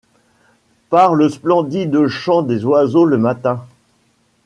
Par le splendide chant des oiseaux le matin.